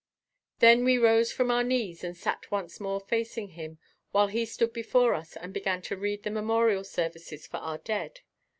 Then we rose from our knees and sat once more facing him while he stood before us and began to read the memorial services for our dead.